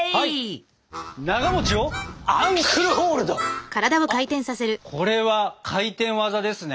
あっこれは回転技ですね。